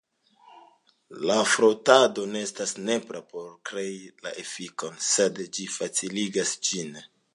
La frotado ne estas nepra por krei la efikon, sed ĝi faciligas ĝin.